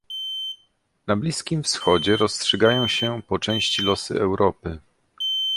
Na Bliskim Wschodzie rozstrzygają się po części losy Europy